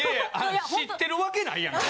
知ってるわけないやん。